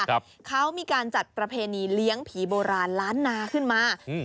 ครับเขามีการจัดประเพณีเลี้ยงผีโบราณล้านนาขึ้นมาอืม